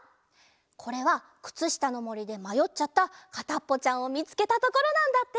これはくつしたのもりでまよっちゃったかたっぽちゃんをみつけたところなんだって！